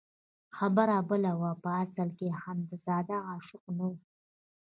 خبره بله وه او په اصل کې اخندزاده عاشق نه وو.